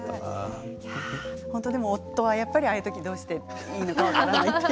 本当に、でも夫は、ああいう時どうしていいのか分からないと。